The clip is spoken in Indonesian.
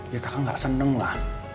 ya kakak gak seneng lah